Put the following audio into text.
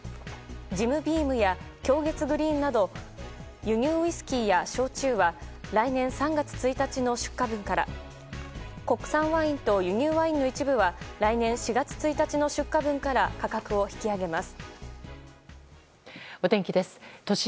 ジムビームや鏡月Ｇｒｅｅｎなど輸入ウイスキーや焼酎は来年３月１日の出荷分から国産ワインと輸入ワインの一部は来年４月１日の出荷分から価格を引き上げます。